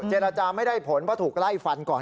เจรจาไม่ได้ผลเพราะถูกไล่ฟันก่อน